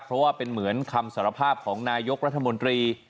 เพราะว่าเป็นเหมือนคำสารภาพของนายกรัฐมนตรี